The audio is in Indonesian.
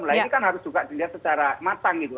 nah ini kan harus juga dilihat secara matang gitu